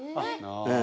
ええ。